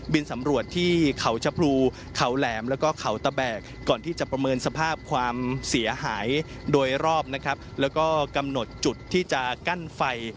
สำรวจที่เขาชะพรูเขาแหลมแล้วก็เขาตะแบกก่อนที่จะประเมินสภาพความเสียหายโดยรอบนะครับแล้วก็กำหนดจุดที่จะกั้นไฟ